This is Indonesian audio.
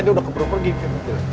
dia udah keburu pergiri